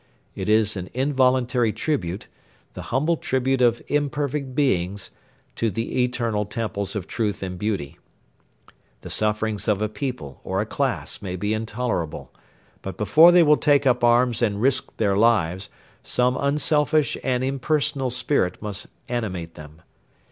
It is an involuntary tribute, the humble tribute of imperfect beings, to the eternal temples of Truth and Beauty. The sufferings of a people or a class may be intolerable, but before they will take up arms and risk their lives some unselfish and impersonal spirit must animate them.